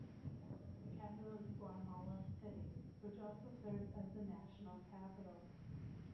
The capital is Guatemala City, which also serves as the national capital.